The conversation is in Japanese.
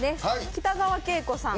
北川景子さん